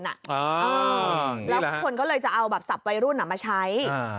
แล้วคนก็เลยจะเอาสับวัยรุ่นมาใช้